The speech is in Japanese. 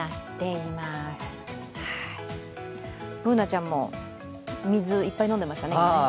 Ｂｏｏｎａちゃんも水いっぱい飲んでましたね。